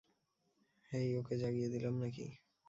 হেই, ওকে জাগিয়ে দিলাম নাকি?